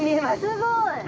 すごい！